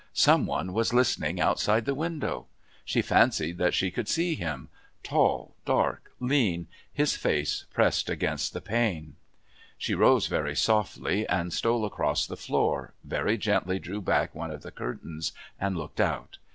Some one was listening outside the window; she fancied that she could see him tall, dark, lean, his face pressed against the pane. She rose very softly and stole across the floor, very gently drew back one of the curtains and looked out.